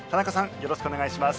よろしくお願いします。